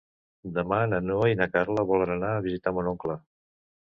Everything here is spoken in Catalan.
Demà na Noa i na Carla volen anar a visitar mon oncle.